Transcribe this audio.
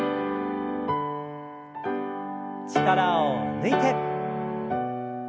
力を抜いて。